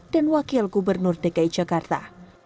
dan wakil gubernur dki jakarta